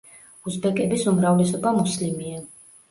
უზბეკების უმრავლესობა მუსლიმია.